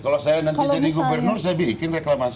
kalau saya nanti jadi gubernur saya bikin reklamasi